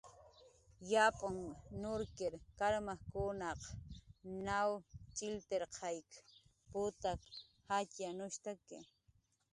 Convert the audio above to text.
Yapn nurkir karmajkunaq naw ch'illtirqayk putak jatxyanushtaki